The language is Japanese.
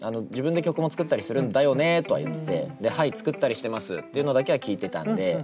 「自分で曲も作ったりするんだよね」とは言ってて「はい作ったりしてます」というのだけは聞いてたんで。